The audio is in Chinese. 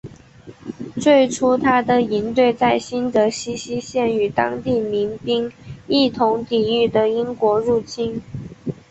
最初他的营队在新泽西西线与当地民兵一同抵御的英国入侵。